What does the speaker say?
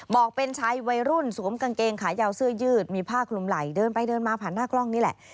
บอกเป็นชายวัยรุ่นสวมกางเกงขายาวเสื้อยืดมีผ้าคลุมไหล่เดินไปเดินมาผ่านหน้ากล้องนี่แหละ